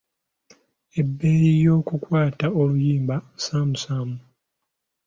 Ebbeeyi y'okukwata oluyimba nsaamusaamu.